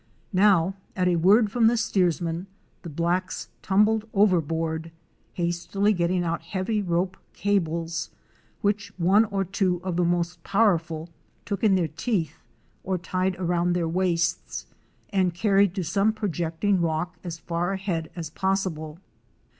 Now, at a word from the steersman, the blacks tumbled overboard, hastily getting out heavy rope cables, which one or two of the most powerful took in their teeth or tied around their waists and carried to some projecting rock as far ahead as possible.